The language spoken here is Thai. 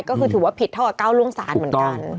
ก็คือถือว่าผิดเท่ากับก้าวล่วงศาลเหมือนกัน